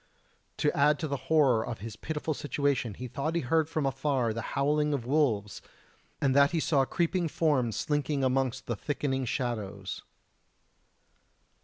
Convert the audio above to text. To add to the horror of his pitiful situation, he thought he heard from afar the howling of wolves, and that he saw creeping forms slinking amongst the thickening shadows.